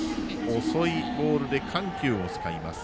遅いボールで緩急を使います。